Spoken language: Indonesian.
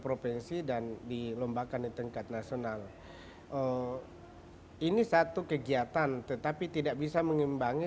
provinsi dan dilombakan di tingkat nasional ini satu kegiatan tetapi tidak bisa mengimbangi